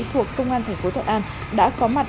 thuộc công an thành phố thuận an đã có mặt